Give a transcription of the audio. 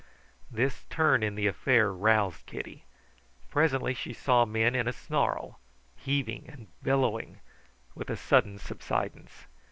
This turn in the affair roused Kitty. Presently she saw men in a snarl, heaving and billowing, with a sudden subsidence.